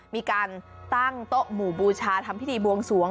มีการตั้งโต๊ะหมู่บูชาทำพิธีบวงสวง